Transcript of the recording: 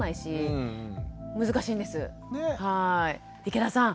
池田さん